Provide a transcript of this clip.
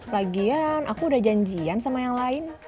lagian aku udah janjian sama yang lain